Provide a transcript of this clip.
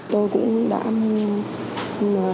tôi cũng đã